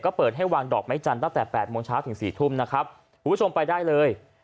ก็เปิดให้วางดอกไม้จันทร์ตั้งแต่แปดโมงเช้าถึงสี่ทุ่มนะครับคุณผู้ชมไปได้เลย